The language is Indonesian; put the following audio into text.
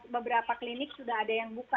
beberapa klinik sudah ada yang buka